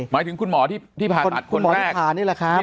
หมายถึงคุณหมอที่ผ่าตัดคุณหมอที่ผ่านี่แหละครับ